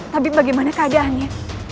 tabib bagaimana keadaannya